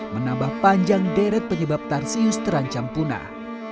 menambah panjang deret penyebab tarsius terancam punah